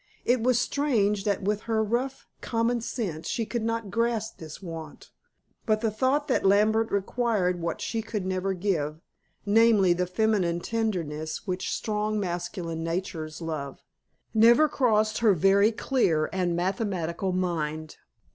It was strange that with her rough common sense she could not grasp this want. But the thought that Lambert required what she could never give namely, the feminine tenderness which strong masculine natures love never crossed her very clear and mathematical mind.